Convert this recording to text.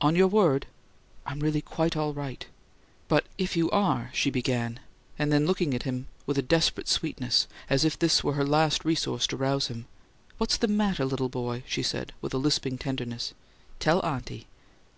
"On your word?" "I'm really quite all right." "But if you are " she began; and then, looking at him with a desperate sweetness, as if this were her last resource to rouse him, "What's the matter, little boy?" she said with lisping tenderness. "Tell auntie!"